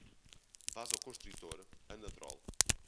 vasoconstrictor, anadrol